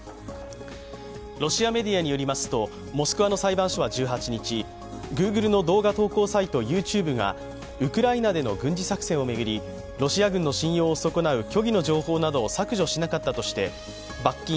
ロシアメディアによりますとモスクワの裁判所は１８日、グーグルの動画投稿サイトＹｏｕＴｕｂｅがウクライナでの軍事作戦を巡り、ロシア軍の信用を損なう虚偽の情報などを削除しなかったとして罰金